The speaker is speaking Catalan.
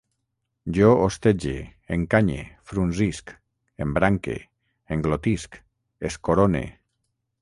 Jo hostege, encanye, frunzisc, embranque, englotisc, escorone